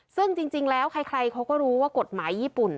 ซึ่งจริงแล้วใครเขาก็รู้ว่ากฎหมายญี่ปุ่น